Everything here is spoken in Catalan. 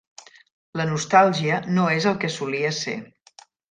La nostàlgia no és el que solia ser.